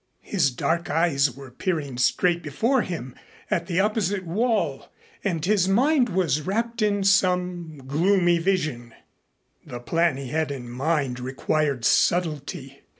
His dark eyes were peering straight before him at the opposite wall and his mind was wrapped in some gloomy vision. The plan he had in mind required subtlety.